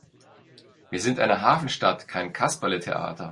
Wir sind eine Hafenstadt, kein Kasperletheater!